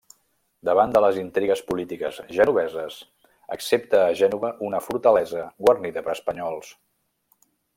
Davant de les intrigues polítiques genoveses, accepta a Gènova una fortalesa guarnida per espanyols.